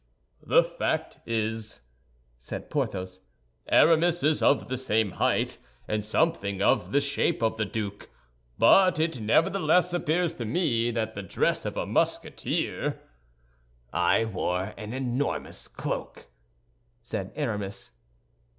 "The fact is," said Porthos, "Aramis is of the same height, and something of the shape of the duke; but it nevertheless appears to me that the dress of a Musketeer—" "I wore an enormous cloak," said Aramis.